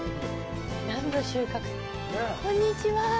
こんにちは。